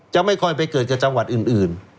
ไม่ค่อยไปเกิดกับจังหวัดอื่น